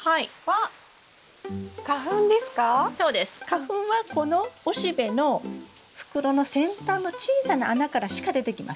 花粉はこの雄しべの袋の先端の小さな穴からしか出てきません。